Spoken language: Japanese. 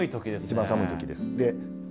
一番寒い時です。